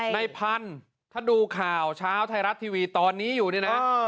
ในพันธุ์ถ้าดูข่าวเช้าไทยรัฐทีวีตอนนี้อยู่นี่นะ